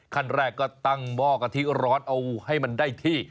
ขั้นแรกก็ตั้งหม้อกะทิร้อนเอาให้มันได้ที่